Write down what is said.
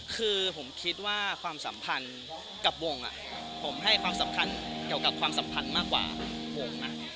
คือผมคิดว่าความสัมพันธ์กับวงผมให้ความสำคัญเกี่ยวกับความสัมพันธ์มากกว่าวงนะ